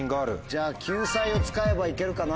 じゃあ救済を使えばいけるかな？